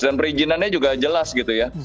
dan perizinannya juga jelas gitu ya